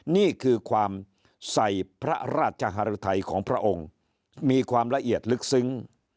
นี่คือความใส่พระราชฮารุทัยของพระองค์มีความละเอียดลึกซึ้ง